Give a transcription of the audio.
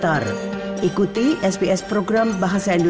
dari kelompok kelompok ini